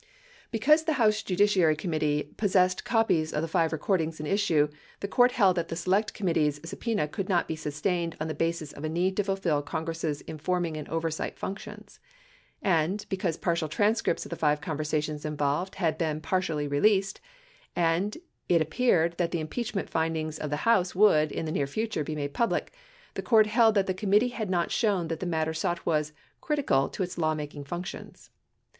Because the House Judiciary Committee possessed copies of the five recordings in issue, the court held that the Select Committee's sub pena could not be sustained on the basis of a need to fulfill Congress' informing and oversight functions. 13 And, because partial transcripts of the five conversations involved had been partially released and it appeared that the impeachment findings of the House would, in the near future, be made public, the court held that the committee had not shown that the material sought was "critical" to its law making functions.